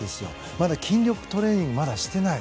まだ筋力トレーニングもしていない。